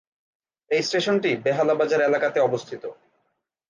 এই স্টেশনটি বেহালা বাজার এলাকাতে অবস্থিত।